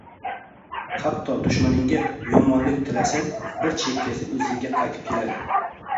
Hatto dushmaningga yomonlik tilasang bir chekkasi o’zingga qaytib keladi.